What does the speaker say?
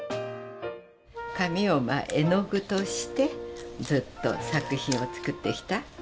紙を絵の具としてずっと作品を作ってきた。